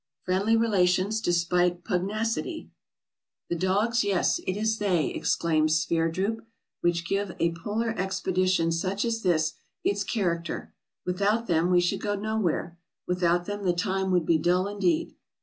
Friendly Relations Despite Pugnacity "The dogs, yes! It is they," exclaims Sverdrup, "which give a polar expedition such as this its character: without them, we should go nowhere; without them the time would be dull indeed.